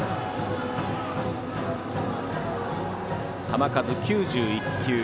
球数、９１球。